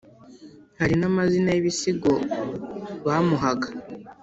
hari n'amazina y'ibisingizo bamuhaga.